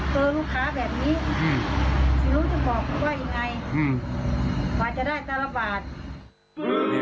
เบอร์ลูกค้าแบบนี้คุณรู้จะบอกคุณว่าอย่างไร